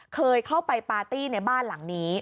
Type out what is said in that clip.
เคยเข้าไปปาร์ตี้ในบ้านหลังนี้